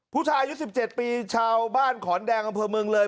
ผู้ชายอายุ๑๗ปีชาวบ้านขอนแดงอำเภอเมืองเลย